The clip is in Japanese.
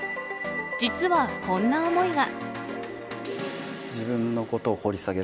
実はこんな思いが。